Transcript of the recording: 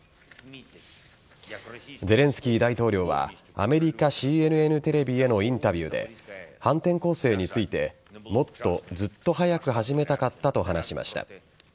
ゼレンスキー大統領はアメリカＣＮＮテレビへのインタビューで反転攻勢についてもっとずっと早く始めたかったと話しました。